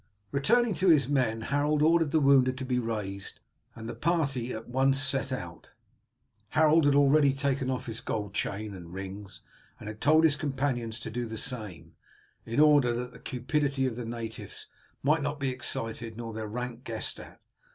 Returning to his men, Harold ordered the wounded to be raised, and the party at once set out. Harold had already taken off his gold chain and rings, and had told his companions to do the same, in order that the cupidity of the natives might not be excited nor their rank guessed at.